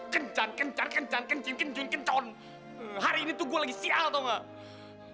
kencan kencan kencan kencin kencun kencon hari ini tuh gue lagi sial tau gak